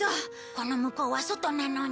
この向こうは外なのに。